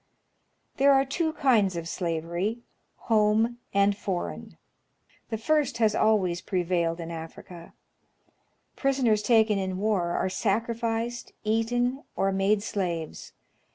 There are two kinds of slavery, — home and foreign. The first has always prevailed in Africa. Prisoners taken in war are Africa^ its Past and Future. 113 sacrificed, eaten, or made slaves.